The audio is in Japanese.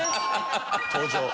登場。